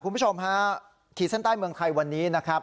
คุณผู้ชมฮะขีดเส้นใต้เมืองไทยวันนี้นะครับ